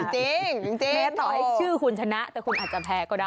จริงต่อให้ชื่อคุณชนะแต่คุณอาจจะแพ้ก็ได้